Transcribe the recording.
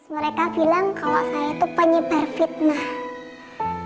mereka bilang kalau saya itu penyebar fitnah